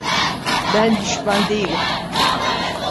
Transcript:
Ben düşman değilim.